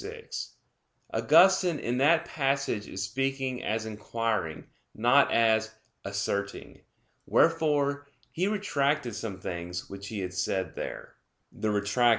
6: Augustine in that passage is speaking as inquiring, not as asserting. Wherefore he retracted some things which he had said there (Retrac.